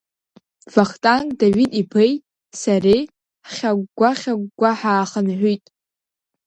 Вахтанг Давид-иԥеи сареи ҳхьагәгәа-хьагәгәа ҳаахынҳәит.